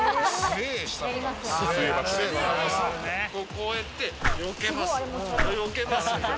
こうやってよけますよけます。